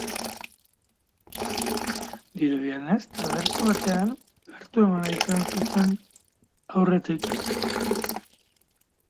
Dirudienez, taberna batean hartu-emana izan zuten aurretik.